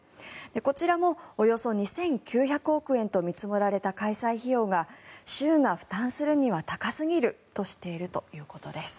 こちらもおよそ２９００億円と見積もられた開催費用が州が負担するには高すぎるとしているということです。